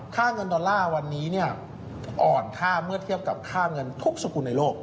ค่าเงินดอลลาร์วันนี้อ่อนค่าเมื่อเทียบกับค่าเงินทุกสกุลในโลก